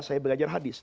saya belajar hadis